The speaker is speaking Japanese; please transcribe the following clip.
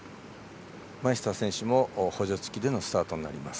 マイスター選手も補助つきでのスタートになります。